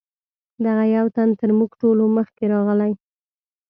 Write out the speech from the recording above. دغه یو تن تر موږ ټولو مخکې راغلی.